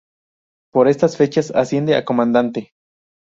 Por estas fechas asciende a comandante.